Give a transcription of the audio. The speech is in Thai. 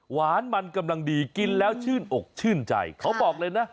หวานมันกำลังดีกินแล้วชื่นอกชื่นใจเขาบอกเลยนะ